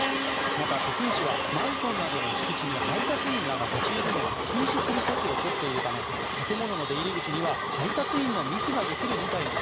また北京市はマンションなどの敷地に配達員らが立ち入るのを禁止する措置を取っているため建物の出入り口には配達員の密ができる事態も